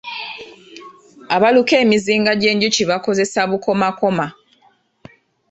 Abaluka emizinga gyenjuki bakozesa bukomakoma.